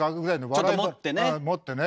ちょっと盛ってね。